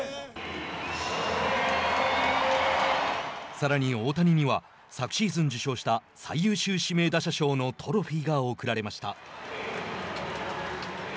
さらに大谷には昨シーズン受賞した最優秀指名打者賞のトロフィーが贈られました。